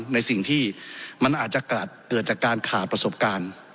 ในสิ่งที่มันอาจจะเกิดจากการขาดประสบการณ์